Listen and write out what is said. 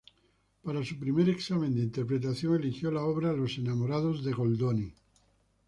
Para su primer examen de interpretación eligió la obra "Los enamorados" de Goldoni.